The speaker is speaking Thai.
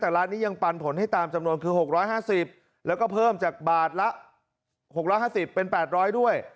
แต่ร้านนี้ยังปันผลให้ตามจำนวนคือ๖๕๐แล้วก็เพิ่มจากบาทละ๖๕๐เป็น๘๐๐ด้วย